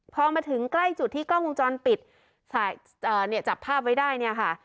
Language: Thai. พอมาถึงใกล้จุดที่กล้องวงจรปิดเนี่ยจับภาพไว้ได้เนี่ยค่ะ